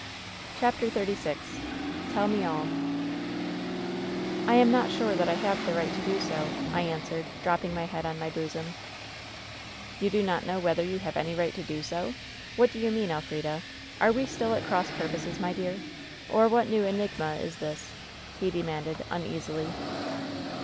CHAPTER XXXVI "tell MB all" " 'I AM not sure that I have the right to do so,' [ an swered, dropping my head on my bosom. " 'You do not know whether you have any right to do so ? What do you mean. Elf rida ? Are we still at orosa purposes, my dear? Or what new enigma is thii^?' he demanded, uneasily.